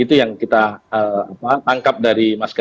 dan itu yang kita angkap dari mas ganjar